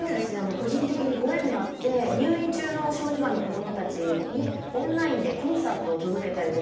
個人的にご縁があって入院中の小児がんの子どもたちにオンラインでコンサートを届けたりとか。